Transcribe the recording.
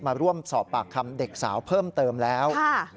มาร่วมสอบปากคำเด็กสาวเพิ่มเติมแล้ว